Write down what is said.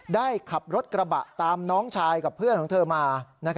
ขับรถกระบะตามน้องชายกับเพื่อนของเธอมา